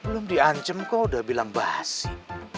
belum diancam kok udah bilang basi